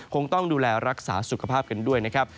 คงต้องดูแลรักษาสุขภาพกันด้วยนะครับ